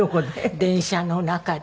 電車の中で。